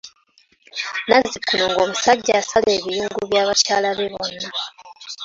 Nazzikuno ng'omusajja asala ebiyungu bya bakyala be bonna.